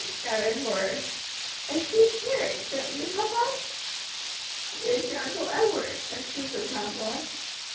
shouted Horace. "I see a carriage; don't you, papa?" "It is your Uncle Edward's," said Mr. Travilla.